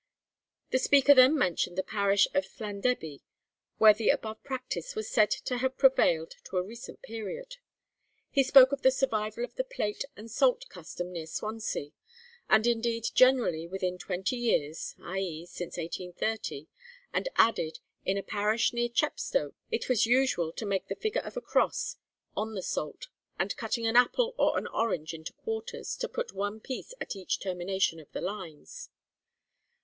The speaker then mentioned the parish of Llandebie where the above practice 'was said to have prevailed to a recent period.' He spoke of the survival of the plate and salt custom near Swansea, and indeed generally, within twenty years, (i.e. since 1830) and added: 'In a parish near Chepstow it was usual to make the figure of a cross on the salt, and cutting an apple or an orange into quarters, to put one piece at each termination of the lines.'